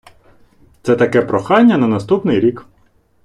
Це таке прохання на наступний рік.